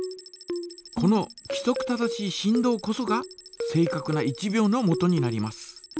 このきそく正しい振動こそが正かくな１秒のもとになります。